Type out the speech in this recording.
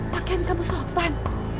pakean kamu sopan